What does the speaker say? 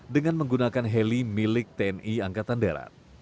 dengan menggunakan heli milik tni angkatan darat